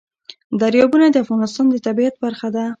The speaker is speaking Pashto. دریابونه د افغانستان د طبیعت برخه ده.